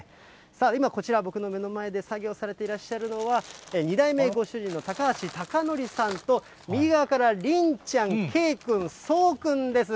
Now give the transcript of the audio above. さあ、今こちら、僕の目の前で作業されていらっしゃるのは、２代目ご主人の高橋崇訓さんと右側からりんちゃん、けいくん、そうくんです。